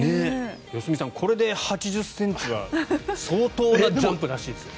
良純さんこれで８０ｃｍは相当なジャンプらしいですよ。